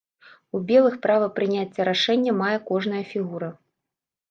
У белых права прыняцця рашэння мае кожная фігура.